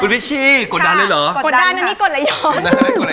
คุณพิชชี่กดดันเลยเหรอ